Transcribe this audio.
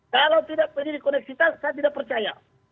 kalau tidak penyidik koneksitas saya tidak percaya